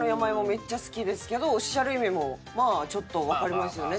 めっちゃ好きですけどおっしゃる意味もまあちょっとわかりますよね